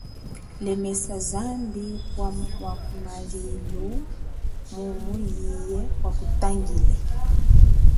Lemesa zambi wa kumalilu mumu iye wa kutangile.